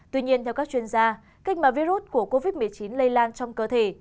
tuy nhiên theo các chuyên gia cách mà virus của covid một mươi chín lây lan trong cơ thể